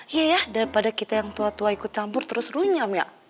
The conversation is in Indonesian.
iya ya daripada kita yang tua tua ikut campur terus runyam ya